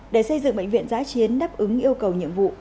để xây dựng bệnh viện giá chiến đáp ứng yêu cầu nhiệm vụ